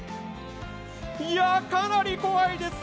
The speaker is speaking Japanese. いやぁ、かなり怖いです。